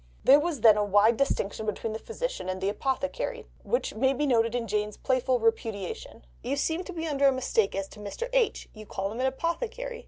There was then a wide distinction between the Physician and the Apothecary, which may be noticed in Jane's playful repudiation: "You seem to be under a mistake as to Mr. H. you call him an apothecary.